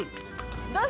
どうぞ。